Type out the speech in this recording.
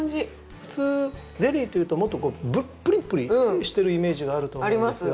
普通ゼリーというともっとこうプリプリしてるイメージがあると思うんですが。